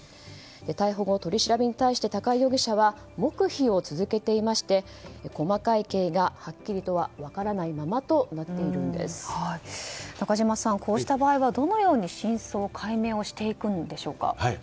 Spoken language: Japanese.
逮捕後、取り調べに対して高井容疑者は黙秘を続けていまして細かい経緯がはっきりと分からないままと中島さん、こうした場合はどのように真相解明していくんでしょうか。